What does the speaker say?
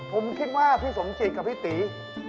ผมคิดว่าพี่สมจิตกับพี่ตี